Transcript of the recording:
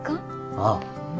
ああ。